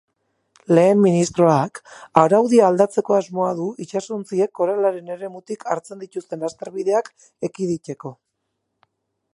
Lehen ministroak araudia aldatzeko asmoa du itsasontziek koralaren eremutik hartzen dituzten lasterbideak ekiditeko.